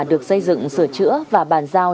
được xây dựng sửa chữa và bàn giao